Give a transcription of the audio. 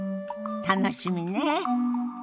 楽しみね。